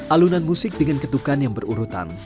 alunan musik dengan ketukan yang berurutan